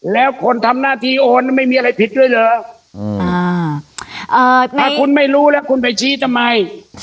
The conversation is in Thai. แล้วคนทำหน้าที่โอนไม่มีอะไรผิดด้วยเหรอถ้าคุณไม่รู้แล้วคุณไปชี้ทำไม